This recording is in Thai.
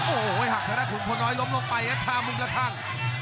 โอ้ยหักทะเละขุมพลน้อยล้มลงไปนะครับมุมระคั่ง